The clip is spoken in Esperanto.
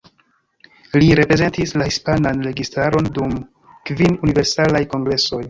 Li reprezentis la hispanan registaron dum kvin Universalaj Kongresoj.